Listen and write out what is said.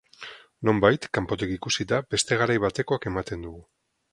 Nonbait, kanpotik ikusita, beste garai batekoak ematen dugu.